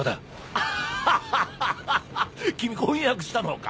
アッハハハ君婚約したのか！